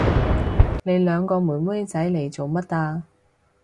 你兩個妹妹仔嚟做乜啊？